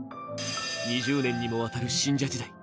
２０年にもわたる信者時代。